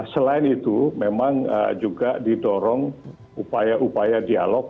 selain itu memang juga didorong upaya upaya dialog